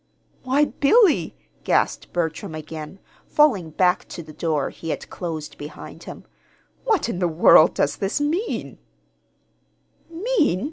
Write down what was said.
"Why, Billy!" gasped Bertram again, falling back to the door he had closed behind him. "What in the world does this mean?" "Mean?